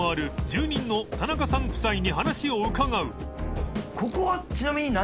住人の田中さん夫妻に話を伺う狩野）